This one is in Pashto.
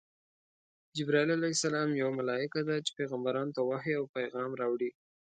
جبراییل ع یوه ملایکه ده چی پیغمبرانو ته وحی او پیغام راوړي.